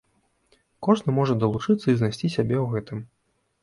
Кожны можа далучыцца і знайсці сябе ў гэтым.